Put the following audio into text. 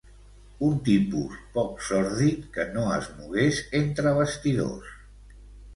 Un tipus poc sòrdid, que no es mogués entre bastidors.